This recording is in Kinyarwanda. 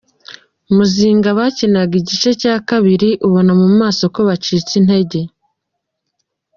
Muzinga bakinaga igice cya kabiri ubona mu maso ko bacitse intege.